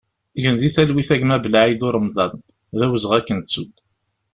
Gen di talwit a gma Blaïd Uremḍan, d awezɣi ad k-nettu!